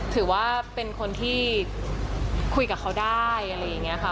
ถือว่าเป็นคนที่คุยกับเขาได้อะไรอย่างนี้ค่ะ